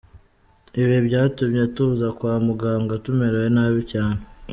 Ibi byatumye tuza kwa muganga tumerewe nabi cyane”.